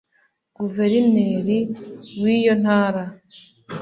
Guverineri w’iyo ntara